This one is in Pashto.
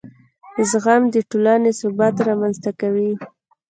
زغم د ټولنې ثبات رامنځته کوي.